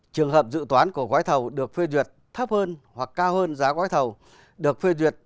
trường hợp dự toán của gói thầu được phê duyệt thấp hơn hoặc cao hơn giá gói thầu được phê duyệt